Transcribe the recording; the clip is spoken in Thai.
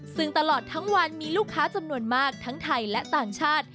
ซึ่งตลอดทั้งวันมีลูกค้าจำนวนมากทั้งไทยและต่างชาติ